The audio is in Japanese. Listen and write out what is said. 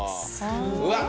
うわっ